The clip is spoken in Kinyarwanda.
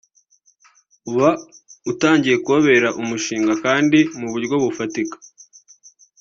uba utangiye kubabera umugisha kandi mu buryo bufatika